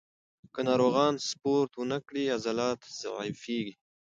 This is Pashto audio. که ناروغان سپورت ونه کړي، عضلات ضعیفېږي.